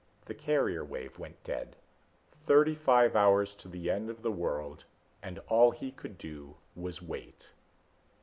_" The carrier wave went dead. Thirty five hours to the end of the world and all he could do was wait.